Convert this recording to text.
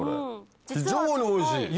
非常においしい！